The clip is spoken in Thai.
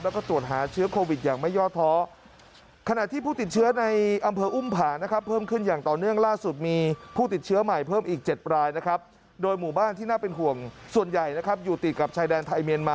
แล้วก็ตรวจหาเชื้อโควิดอย่างไม่ยอดท้อ